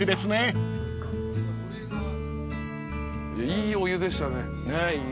いいお湯でしたね。